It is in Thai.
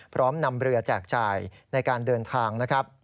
พร้อมนำเรือแจกจ่ายในการเดินทางนะครับ